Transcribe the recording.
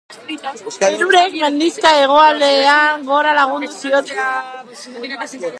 Hirurek mendixka hegalean gora lagundu zioten, errautsean irrist eta irrist eginez.